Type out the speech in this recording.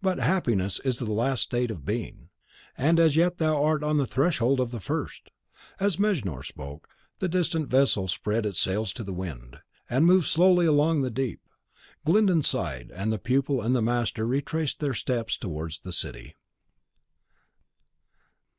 But happiness is the last state of being; and as yet thou art on the threshold of the first." As Mejnour spoke, the distant vessel spread its sails to the wind, and moved slowly along the deep. Glyndon sighed, and the pupil and the master retraced their steps towards the city.